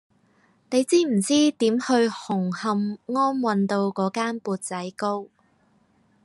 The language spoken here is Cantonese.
你知唔知點去紅磡安運道嗰間缽仔糕